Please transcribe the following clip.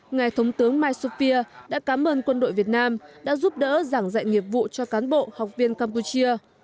ngài thống tướng mai sophia đã cám ơn quân đội việt nam đã giúp đỡ giảng dạy nghiệp vụ cho cán bộ học viên campuchia